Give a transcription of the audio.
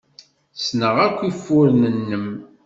Ssneɣ akk ufuren-nnem.